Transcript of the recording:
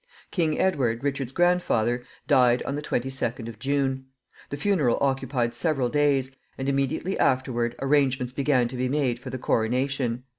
King Edward, Richard's grandfather, died on the 22d of June. The funeral occupied several days, and immediately afterward arrangements began to be made for the coronation.